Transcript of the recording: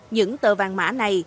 những tờ vàng mã này